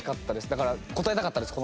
だから答えたかったです